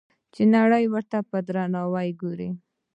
چې نړۍ ورته په درناوي ګوري.